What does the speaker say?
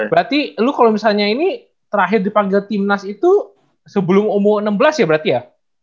berarti lu kalau misalnya ini terakhir dipanggil timnas itu sebelum umur enam belas ya berarti ya